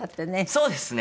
そうですね。